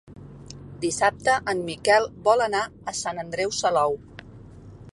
Dissabte en Miquel vol anar a Sant Andreu Salou.